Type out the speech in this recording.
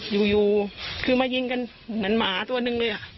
อยู่อยู่คือมายิงกันเหมือนหมาตัวหนึ่งเลยอ่ะ